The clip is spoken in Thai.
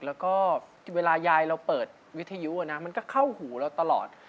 แล้วก็เวลายายเราเปิดวิทยุมันก็เข้าหูเราตลอด